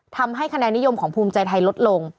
ทำให้คะแนนนิยมของภูมิใจไทยลดลง